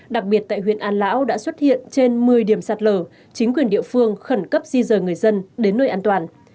đặc biệt tại huyện an lão đã xuất hiện trên một mươi điểm sạt lở chính quyền địa phương khẩn cấp di rời người dân đến nơi an toàn